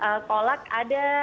kadang kalau kangen kangen